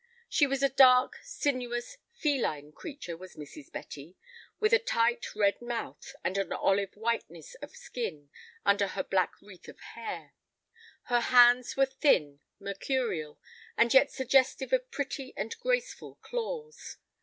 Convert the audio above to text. She was a dark, sinuous, feline creature was Mrs. Betty, with a tight red mouth, and an olive whiteness of skin under her black wreath of hair. Her hands were thin, mercurial, and yet suggestive of pretty and graceful claws.